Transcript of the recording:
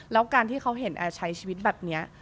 แล้วการที่เขาเห็นแอร์ใช้ชีวิตแบบนี้